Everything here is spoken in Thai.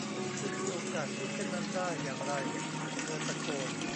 คุณมีโอกาสคิดเช่นนั้นได้อย่างไร เธอตะโกน